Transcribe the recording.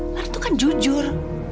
lara tuh kan jujur